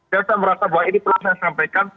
dan saya merasa bahwa ini perlu saya sampaikan